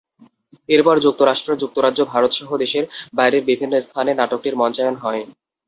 এরপর যুক্তরাষ্ট্র, যুক্তরাজ্য, ভারতসহ দেশের বাইরের বিভিন্ন স্থানে নাটকটির মঞ্চায়ন হয়।